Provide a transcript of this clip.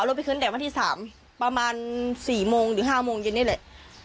เอารถไปคืนแต่วันที่สามประมาณสี่โมงหรือห้ามงเย็นนี่แหละ